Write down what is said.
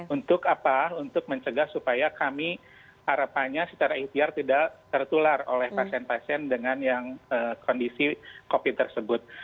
untuk apa untuk mencegah supaya kami harapannya secara ikhtiar tidak tertular oleh pasien pasien dengan yang kondisi covid tersebut